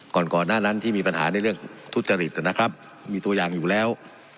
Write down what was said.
ก่อนก่อนหน้านั้นที่มีปัญหาในเรื่องทุจริตนะครับมีตัวอย่างอยู่แล้ว